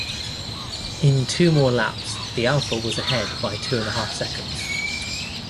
In two more laps, the Alfa was ahead by two and a half seconds.